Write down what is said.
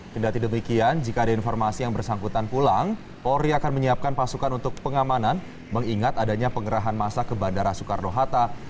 kendati demikian jika ada informasi yang bersangkutan pulang polri akan menyiapkan pasukan untuk pengamanan mengingat adanya pengerahan masa ke bandara soekarno hatta